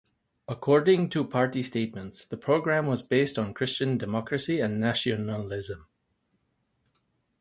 According to party statements, the programme was based on Christian democracy and nationalism.